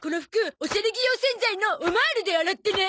オシャレ着用洗剤のオマールで洗ってね！